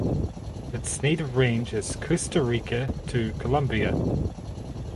Its native range is Costa Rica to Colombia.